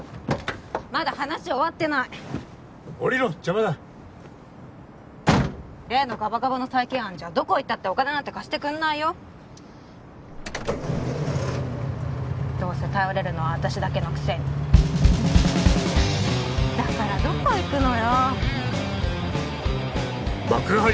まだ話終わってない降りろ邪魔だ例のガバガバの再建案じゃどこ行ったってお金なんて貸してくんないよどうせ頼れるのは私だけのくせにだからどこ行くのよ幕張